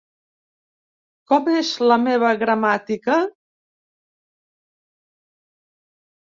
Com és la meva gramàtica?